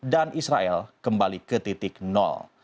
israel kembali ke titik nol